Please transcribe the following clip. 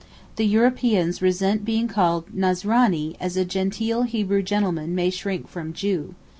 The Europeans resent being called 'Nazranee' as a genteel Hebrew gentleman may shrink from 'Jew.